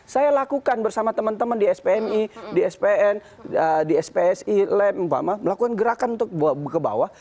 saya lakukan bersama teman teman di spmi di spn di spsi lab melakukan gerakan untuk ke bawah